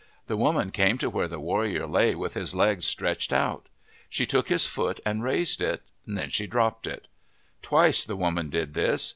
The woman came to where the warrior lay with his legs stretched out. She took his foot and raised it. Then she dropped it. Twice the woman did this.